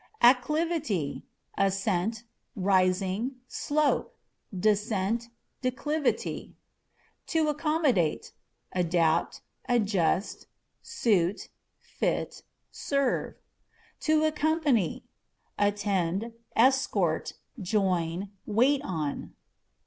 Acclivity â€" ascent, rising, slope ; descent, declivity. To Accommodate â€" adapt, adjust, suit, fit, serve. To Accompany â€" attend, escort, join, wait on.